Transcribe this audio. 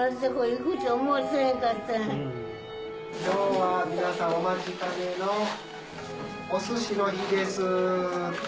今日は皆さんお待ちかねのおすしの日です。